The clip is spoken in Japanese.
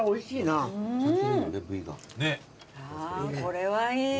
あーこれはいい。